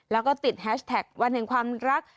แล้วก็ติดแฮชแท็กวันแห่งความรัก